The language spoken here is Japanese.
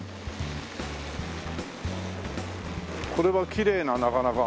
これはきれいななかなか。